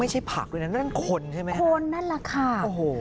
ไม่ใช่ผักเลยนะนั่นคนใช่ไหมขนนั่นละครับโอ้โห